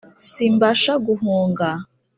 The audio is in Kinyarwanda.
simbasha guhunga